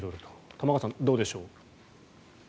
玉川さん、どうでしょう。